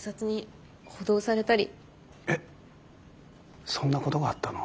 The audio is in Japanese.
えっそんなことがあったの。